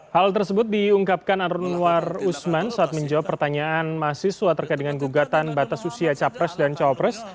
hal tersebut diungkapkan anrunuar usman saat menjawab pertanyaan mahasiswa terkait dengan gugatan batas usia capres dan cawapres